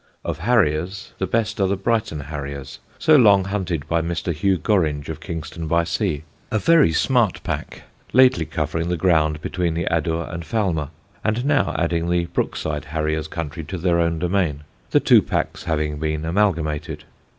Of Harriers, the best are the Brighton Harriers, so long hunted by Mr. Hugh Gorringe of Kingston by Sea, a very smart pack lately covering the ground between the Adur and Falmer, and now adding the Brookside Harriers' country to their own domain, the two packs having been amalgamated.